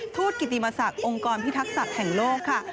ทูตกิติมศักดิ์องค์กรพิทักษัตริย์แห่งโลกค่ะ